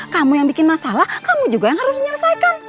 kamu yang bikin masalah kamu juga yang harus menyelesaikan